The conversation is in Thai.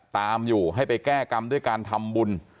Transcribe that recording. ตามอยู่ให้ไปแก้กรรมด้วยการทำบุญ